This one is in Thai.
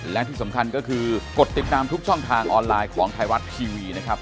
และที่สำคัญก็คือกดติดตามทุกช่องทางออนไลน์ของไทยรัฐทีวีนะครับ